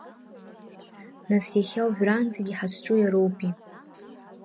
Нас иахьа уажәраанӡагьы ҳазҿу иароупеи?